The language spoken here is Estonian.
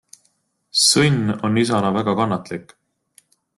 Sõnn on isana väga kannatlik.